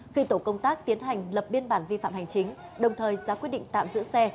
khi tổ công tác tiến hành lập biên bản vi phạm hành chính đồng thời ra quyết định tạm giữ xe